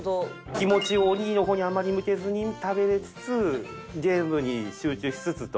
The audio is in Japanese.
気持ちをおにぎりの方にあんまり向けずに食べられつつゲームに集中しつつと。